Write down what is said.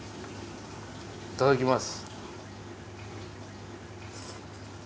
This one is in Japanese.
いただきます。